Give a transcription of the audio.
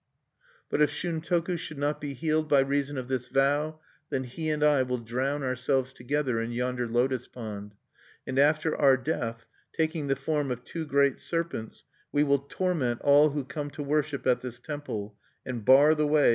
"But if Shuntoku should not be healed by reason of this vow, then he and I will drown ourselves together in yonder lotos pond. "And after our death, taking the form of two great serpents, we will torment all who come to worship at this temple, and bar the way against pilgrims."